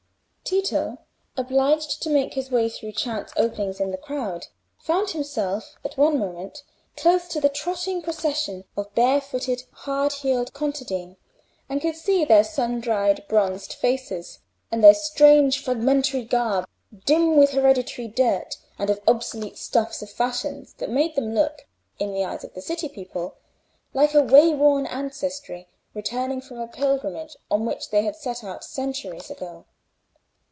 Tito, obliged to make his way through chance openings in the crowd, found himself at one moment close to the trotting procession of barefooted, hard heeled contadine, and could see their sun dried, bronzed faces, and their strange, fragmentary garb, dim with hereditary dirt, and of obsolete stuffs and fashions, that made them look, in the eyes of the city people, like a way worn ancestry returning from a pilgrimage on which they had set out a century ago.